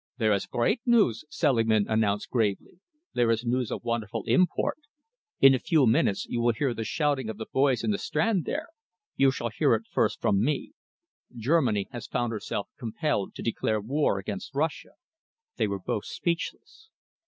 "There is great news," Selingman announced gravely. "There is news of wonderful import. In a few minutes you will hear the shouting of the boys in the Strand there. You shall hear it first from me. Germany has found herself compelled to declare war against Russia." They were both speechless.